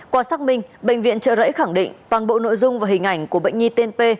qua xác minh bệnh viện trợ rẫy khẳng định toàn bộ nội dung và hình ảnh của bệnh nhi t